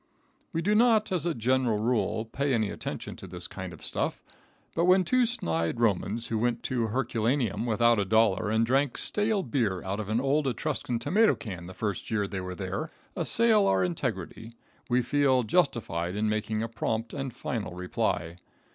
] We do not, as a general rule, pay any attention to this kind of stuff; but when two snide romans, who went to Herculaneum without a dollar and drank stale beer out of an old Etruscan tomato can the first year they were there, assail our integrity, we feel justified in making a prompt and final reply.